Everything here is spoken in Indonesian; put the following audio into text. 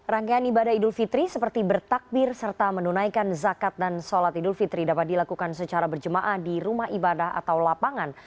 rangkaian ibadah idul fitri seperti bertakbir serta menunaikan zakat dan sholat idul fitri dapat dilakukan secara berjemaah di rumah ibadah atau lapangan